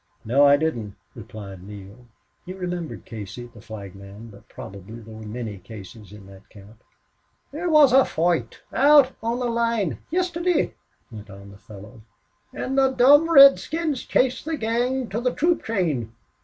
"No, I didn't," replied Neale. He remembered Casey, the flagman, but probably there were many Caseys in that camp. "There wus a foight, out on the line, yisteddy," went on the fellow, "an' the dom' redskins chased the gang to the troop train.